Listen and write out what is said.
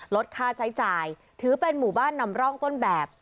ลดค่าใช้จ่ายถือเป็นหมู่บ้านนำร่องต้นแบบ